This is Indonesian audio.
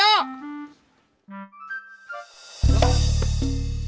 buka pintunya bang